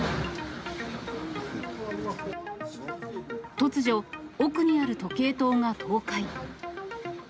突如、奥にある時計塔が倒壊。